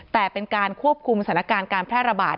แต่เป็นการควบคุมสถานการณ์การแพร่ระบาด